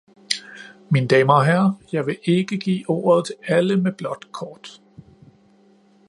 Mine damer og herrer, jeg vil ikke give ordet til alle med blåt kort.